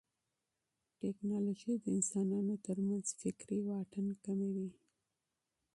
ټیکنالوژي د انسانانو ترمنځ فکري واټن کموي.